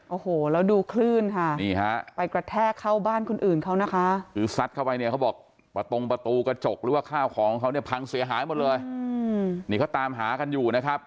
โอ้โหแล้วดูคลื่นค่ะนี่ฮะไปกระแทกเข้าบ้านคนอื่นเขานะคะคือซัดเข้าไปเนี่ยเขาบอกประตงประตูกระจกหรือว่าข้าวของเขาเนี่ยพังเสียหายหมดเลยนี่เขาตามหากันอยู่นะครับ